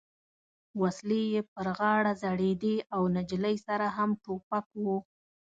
وسلې یې پر غاړه ځړېدې او نجلۍ سره هم ټوپک و.